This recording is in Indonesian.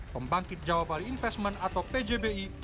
pembangkit jawab balik investment atau pjbi